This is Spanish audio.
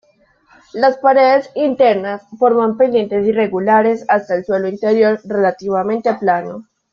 Las paredes internas forman pendientes irregulares hasta el suelo interior relativamente plano.